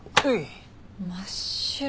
真っ白。